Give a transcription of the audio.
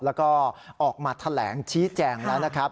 แล้วก็ออกมาแถลงชี้แจงแล้วนะครับ